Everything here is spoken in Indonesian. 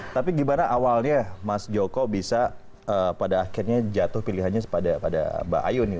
tapi gimana awalnya mas joko bisa pada akhirnya jatuh pilihannya pada mbak ayu nih